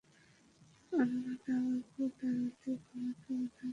অন্নদাবাবু আর অধিক ভূমিকা বানাইতে পারিলেন না।